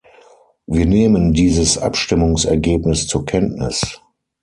Wir nehmen dieses Abstimmungsergebnis zur Kenntnis.